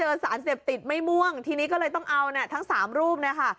ไม่เจอสารเสพติดไม่ม่วงทีนี้ก็เลยต้องเอาทั้ง๓รูปนะคะ